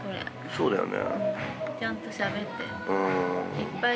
そうだよね。